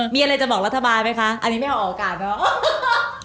มีอะไรจะบอกรัฐบาลไหมคะอันนี้ไม่เอาออกอากาศเนอะ